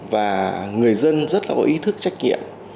và người dân rất là có ý thức trách nhiệm